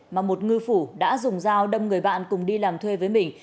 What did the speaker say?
mà một ngư phủ đã dùng dao đâm người bạn cùng đi làm thuê với mình